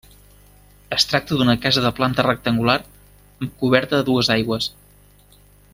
Es tracta d'una casa de planta rectangular amb coberta a dues aigües.